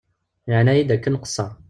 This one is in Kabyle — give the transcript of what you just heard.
Yeɛna-iyi-d akken nqesser.